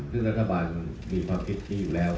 ซึ่งรัฐบาลเริ่มความกริจดีอยู่แล้ว